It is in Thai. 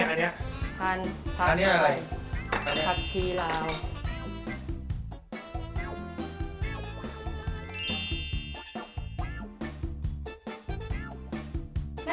พันธุ์พันธุ์อันนี้อะไรผักชีร้าว